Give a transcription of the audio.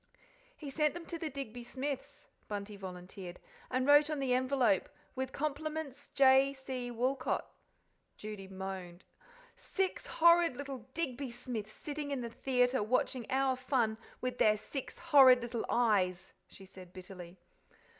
"He sent them to the Digby Smiths," Bunty volunteered, "and wrote on the envelope, 'With compts. J. C. Woolcot.'" Judy moaned. "Six horrid little Digby Smiths sitting in the theatre watching our fun with their six horrid little eyes," she said bitterly.